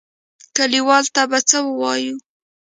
کليوالو ته به څه وايو؟